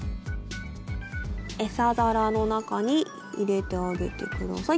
エサ皿の中に入れてあげて下さい。